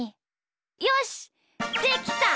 よしできた！